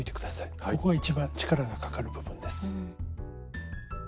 ここが一番力がかかる部分です。